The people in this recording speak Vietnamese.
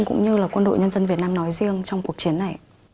cũng như là quân đội nhân dân việt nam nói riêng trong cuộc chiến này